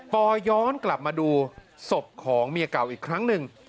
ปอย้อนกลับมาดูศพของเมียเก่าอีกครั้งหนึ่ง